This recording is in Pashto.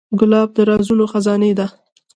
ګلاب د رازونو خزانې ده.